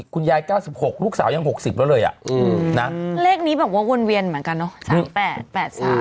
คุณยาย๙๖ลูกสาวยัง๖๐แล้วเลยอะเลขนี้บอกว่าเวินเวียนเหมือนกันเนาะ